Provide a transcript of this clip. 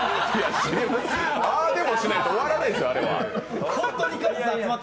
ああでもしないと終わらないですよ、あれは。